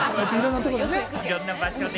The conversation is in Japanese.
いろんな場所で。